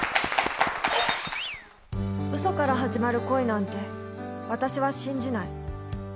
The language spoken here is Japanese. うそから始まる恋なんて、私は信じない。